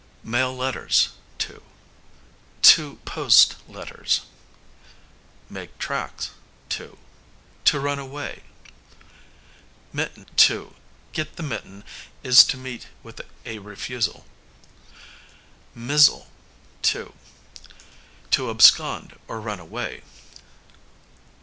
Mail letters, to; to post letters. Make tracks, to; to run away. Mitten; to get the mitten is to meet with a refusal. Mizzle, to; to abscond, or run away.